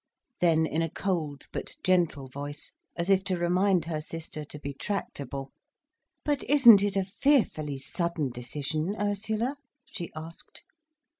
Then, in a cold, but gentle voice, as if to remind her sister to be tractable: "But isn't it a fearfully sudden decision, Ursula?" she asked.